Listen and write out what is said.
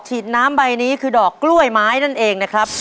ฉีดน้ำใบนี้คือดอกกล้วยไม้นั่นเองนะครับ